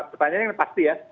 pertanyaannya yang pasti ya